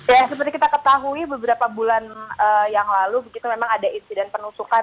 ya seperti kita ketahui beberapa bulan yang lalu begitu memang ada insiden penusukan